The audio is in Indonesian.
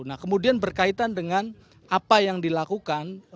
nah kemudian berkaitan dengan apa yang dilakukan